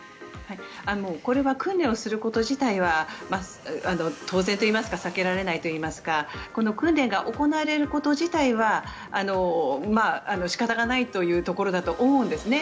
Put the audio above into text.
これは訓練をすること自体は当然といいますか避けられないといいますかこの訓練が行われること自体は仕方がないというところだと思うんですね。